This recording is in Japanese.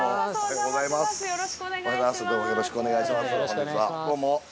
よろしくお願いします。